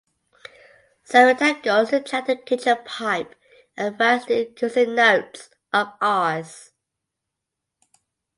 Sarita goes to check the kitchen pipe and finds new currency notes of Rs.